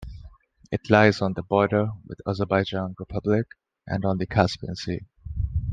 It lies on the border with Azerbaijan Republic and on the Caspian Sea.